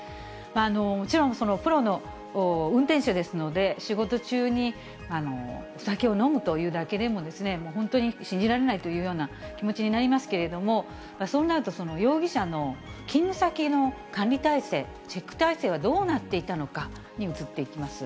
もちろんプロの運転手ですので、仕事中にお酒を飲むというだけでも、もう本当に信じられないというような気持ちになりますけれども、そうなると、容疑者の勤務先の管理体制、チェック体制はどうなっていたのかに移っていきます。